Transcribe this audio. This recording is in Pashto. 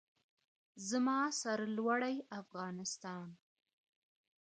زما سرلوړی افغانستان.